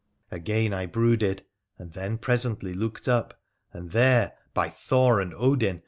Again I brooded, and then presently looked up, and there — ty Thor and Odin